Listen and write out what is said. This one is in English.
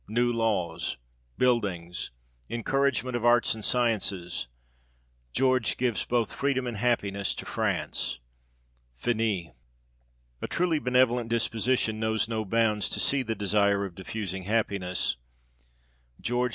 New laws. Buildings. Encouragement of arts and sciences. George gives both freedom and happiness to France. Finis. A TRULY benevolent disposition knows no bounds to the desire of diffusing happiness : George VI.